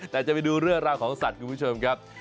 แต่จะไปดูเรื่องราวของสัตว์คุณผู้ชมครับ